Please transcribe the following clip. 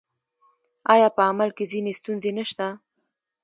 آیا په عمل کې ځینې ستونزې نشته؟